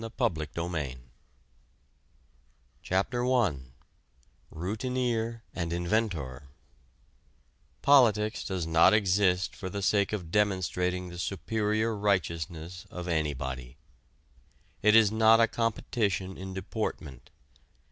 A PREFACE TO POLITICS CHAPTER I ROUTINEER AND INVENTOR Politics does not exist for the sake of demonstrating the superior righteousness of anybody. It is not a competition in deportment.